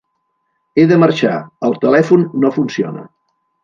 He de marxar; el telèfon no funciona.